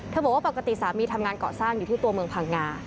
บอกว่าปกติสามีทำงานเกาะสร้างอยู่ที่ตัวเมืองพังงา